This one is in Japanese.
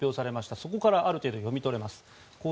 そこからある程度読み取れます。